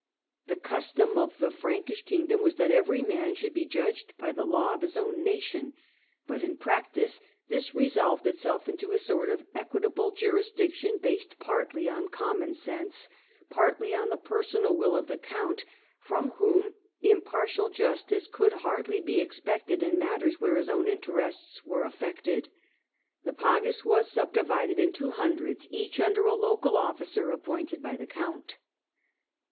The custom of the Frankish kingdom was that every man should be judged by the law of his own nation. But in practice this re solved itself into a sort of equitable jurisdiction based partly on common sense, partly on the personal will of the count, from whom impartial justice could hardly be expected in matters where his own interests were af fected. The pag us was subdivided into hundreds, each under a local officer appointed by the count.